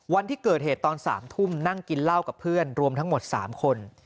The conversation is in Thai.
วันที่เกิดเหตุตอน๓ทุ่มนั่งกินเหล้ากับเพื่อนรวมทั้งหมด๓คน